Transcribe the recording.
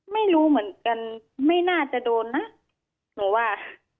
ไม่รู้เหมือนกันไม่น่าจะโดนนะหนูว่า